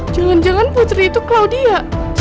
jangan jangan putri itu claudia